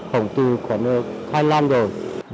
hỏng từ khoảng hai năm rồi